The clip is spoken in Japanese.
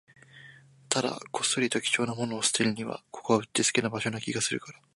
ただ、こっそりと貴重なものを捨てるには、ここはうってつけな場所な気がするから